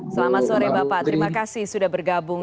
selamat sore bapak terima kasih sudah bergabung